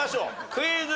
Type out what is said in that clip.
クイズ。